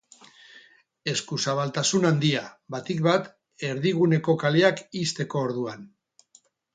Eskuzabaltasun handia, batik bat erdiguneko kaleak ixteko orduan.